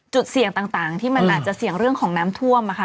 จุดเสี่ยงต่างที่มันอาจจะเสี่ยงเรื่องของน้ำท่วม